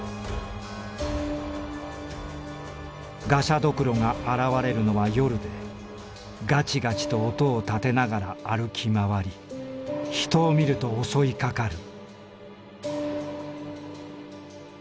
「がしゃどくろが現れるのは夜でガチガチと音を立てながら歩き回り人を見ると襲いかかる」。